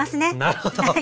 なるほど。